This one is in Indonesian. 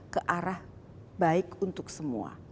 ke arah baik untuk semua